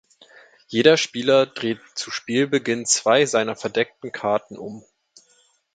Jeder Spieler dreht zu Spielbeginn zwei seiner verdeckten Karten um.